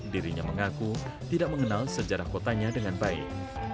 dirinya mengaku tidak mengenal sejarah kotanya dengan baik